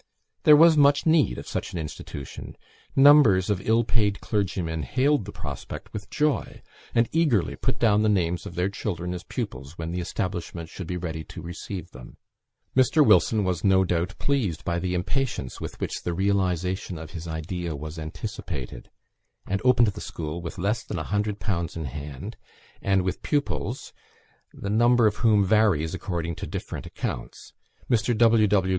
There was much need of such an institution; numbers of ill paid clergymen hailed the prospect with joy, and eagerly put down the names of their children as pupils when the establishment should be ready to receive them. Mr. Wilson was, no doubt, pleased by the impatience with which the realisation of his idea was anticipated, and opened the school with less than a hundred pounds in hand, and with pupils, the number of whom varies according to different accounts; Mr. W. W.